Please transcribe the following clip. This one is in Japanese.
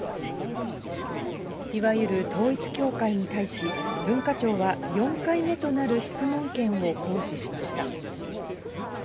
いわゆる統一教会に対し、文化庁は４回目となる質問権を行使しました。